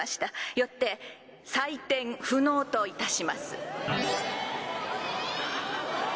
よって採点不能といたします。